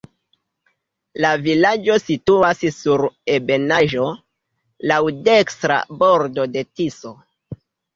La vilaĝo situas sur ebenaĵo, laŭ dekstra bordo de Tiso.